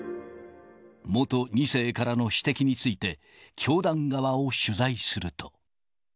元２世からの指摘について、教団側を取材すると。